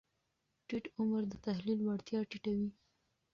ټیټ عمر د تحلیل وړتیا ټیټه وي.